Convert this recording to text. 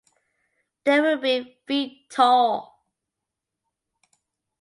They will be feet tall.